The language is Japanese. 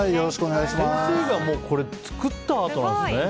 先生が作ったアートなんですね。